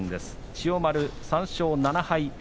千代丸３勝７敗